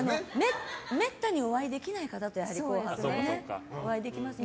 めったにお会いできない方と「紅白」でねお会いできますので。